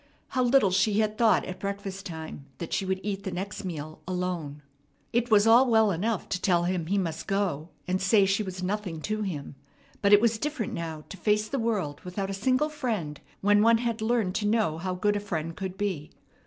How little she had thought at breakfast time that she would eat the next meal alone! It was all well enough to tell him he must go, and say she was nothing to him; but it was different now to face the world without a single friend when one had learned to know how good a friend could be.